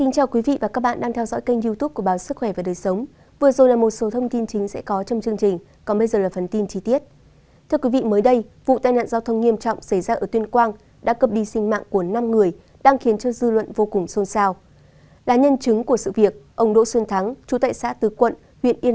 các bạn hãy đăng ký kênh để ủng hộ kênh của chúng mình nhé